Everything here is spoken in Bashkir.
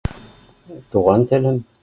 Туған телен